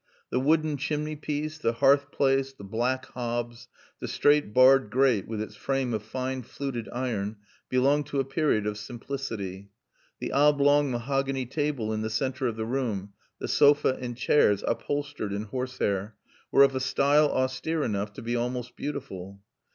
The wooden chimney piece, the hearth place, the black hobs, the straight barred grate with its frame of fine fluted iron, belonged to a period of simplicity. The oblong mahogany table in the center of the room, the sofa and chairs, upholstered in horsehair, were of a style austere enough to be almost beautiful.